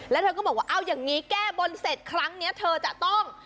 แล้วเธอก็บอกว่าเอาอย่างนี้แก้บนเสร็จครั้งนี้เธอจะต้อง